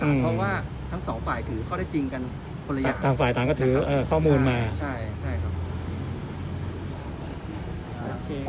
เพราะว่าทั้งสองฝ่ายถือข้อได้จริงกันคนละยะต่างฝ่ายต่างก็ถือข้อมูลมาใช่ครับ